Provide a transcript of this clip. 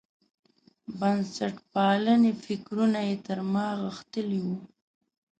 بنسټپالنې فکرونه یې تر ما غښتلي وو.